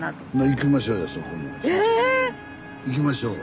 行きましょう。